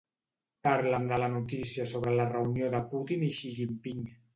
Parla'm de la notícia sobre la reunió de Putin i Xi Jinping.